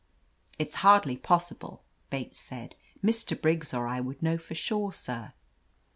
"It's hardly possible," Bates said. "Mr. Briggs or I would know for sure, sir."